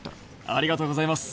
ありがとうございます。